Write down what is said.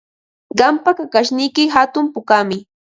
Qampa kakashniyki hatun pukami.